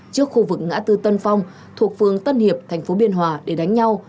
trước khu vực ngã tư tân phong thuộc phường tân hiệp thành phố biên hòa để đánh nhau